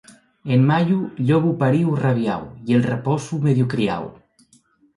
En mayu, llobu paríu o rabiáu, y el raposu medio criáu.